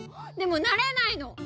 でもなれないの。